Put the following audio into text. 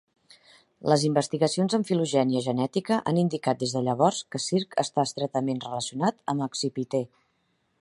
Les investigacions en filogenia genètica han indicat des de llavors que "Circ" està estretament relacionat amb "Accipiter".